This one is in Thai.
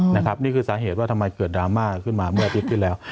นะครับนี่คือสาเหตุว่าทำไมเกิดดราม่าขึ้นมาเมื่อปีที่แล้ว